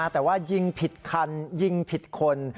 แต่ว่ายิงผิดคันยิงผิดคน